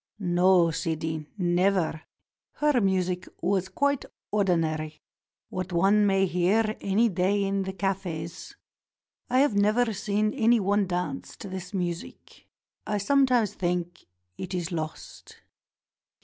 "No, Sidi, never. Her music was quite ordinary ; what one may hear any day in the cafes. I have never seen any one dance to this music. I sometimes think it is lost."